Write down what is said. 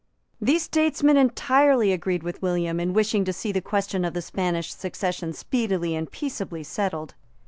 These statesmen entirely agreed with William in wishing to see the question of the Spanish succession speedily and peaceably settled.